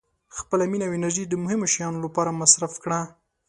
• خپله مینه او انرژي د مهمو شیانو لپاره مصرف کړه.